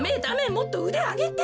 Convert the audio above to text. もっとうであげて。